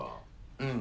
うん。